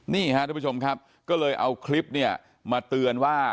นี่ฮะทุกผู้ชมครับก็เลยเอาคลิปเนี่ยมาเตือนว่า